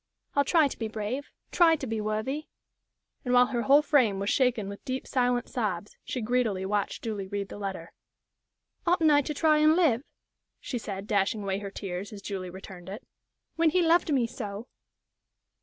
I'll try to be brave try to be worthy " And while her whole frame was shaken with deep, silent sobs, she greedily watched Julie read the letter. "Oughtn't I to try and live," she said, dashing away her tears, as Julie returned it, "when he loved me so?"